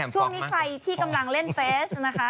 ช่วงนี้ใครที่กำลังเล่นเฟสนะคะ